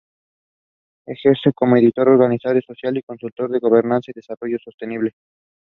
For the newspaper Rayner covered news such as the Franklin River blockade.